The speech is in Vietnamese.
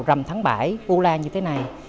rằm tháng bảy vua lan như thế này